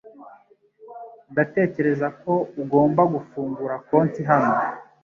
Ndatekereza ko ugomba gufungura konti hano.